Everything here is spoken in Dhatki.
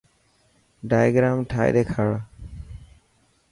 ڊائگرام ٺاهي ڏيکار.